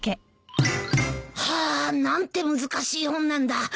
ハァ何て難しい本なんだ。